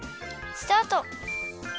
スタート。